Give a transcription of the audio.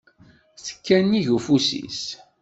Tekka-nnig ufus-is.